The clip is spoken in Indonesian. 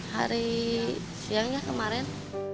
hari siangnya kemarin